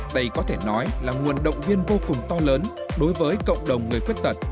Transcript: đây có thể nói là nguồn động viên vô cùng to lớn đối với cộng đồng người khuyết tật